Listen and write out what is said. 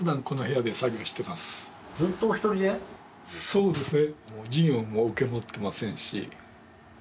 そうですね